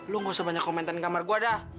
lu gak usah banyak komentarin kamar gua dah